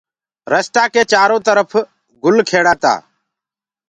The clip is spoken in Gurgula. رستآ ڪي چآرو ترڦ گُل کيڙآ تآ